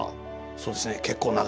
そうですね。